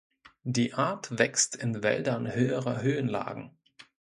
Die Art wächst in Wäldern höherer Höhenlagen.